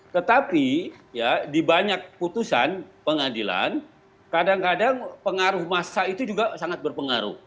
tetapi ya di banyak putusan pengadilan kadang kadang pengaruh masa itu juga sangat berpengaruh